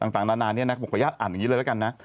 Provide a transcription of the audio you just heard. ต่างนานาเนี่ยนะผมขออนุญาตอ่านอย่างนี้เลยแล้วกันนะ